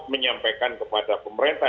menyampaikan kepada pemerintah